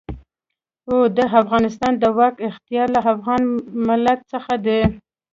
او د افغانستان د واک اختيار له افغان ملت څخه دی.